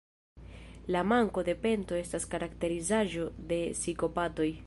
La manko de pento estas karakterizaĵo de psikopatoj.